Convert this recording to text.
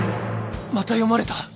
また読まれた。